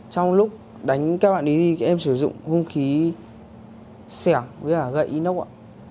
trong lúc đánh các bạn ấy thì em sử dụng hông khí sẻo với gậy inox ạ